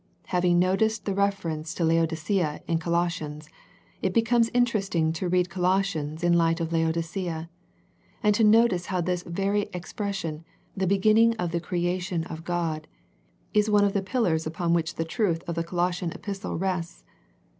Having noticed the refer ence to Laodicea in Colossians, it becomes in teresting to read Colossians in the light of Laodicea, and to notice how this very expres sion, " the beginning of the creation of God " is one of the pillars upon which the truth of the Colossian epistle rests.